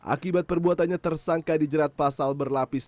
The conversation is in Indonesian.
akibat perbuatannya tersangka dijerat pasal berlapis